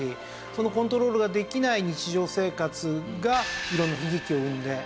そのコントロールができない日常生活が色んな悲劇を生んで。